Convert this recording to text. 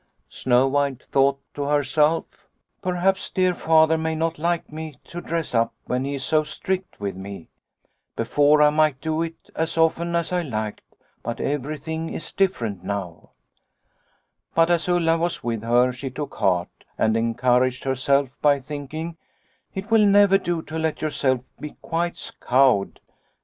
" Snow White thought to herself, ' Perhaps dear Father may not like me to dress up when he is so strict with me. Before I might do it Snow White 61 as often as I liked, but everything is different now.' " But as Ulla was with her she took heart and encouraged herself by thinking, ' It will never do to let yourself be quite cowed.